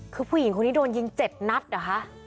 คือผู้หญิงคนนี้โดนยิง๗นัดเหรอคะ